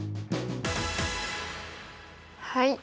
はい。